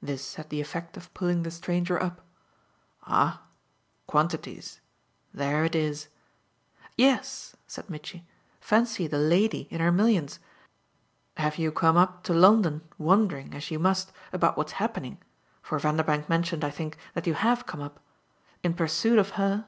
This had the effect of pulling the stranger up. "Ah 'quantities'! There it is." "Yes," said Mitchy, "fancy the 'lady' in her millions. Have you come up to London, wondering, as you must, about what's happening for Vanderbank mentioned, I think, that you HAVE come up in pursuit of her?"